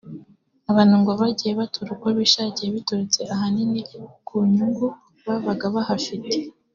Abantu ngo bagiye batura uko bishakiye biturutse ahanini ku nyungu babaga bahafite